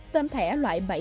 tôm thẻ loại bảy mươi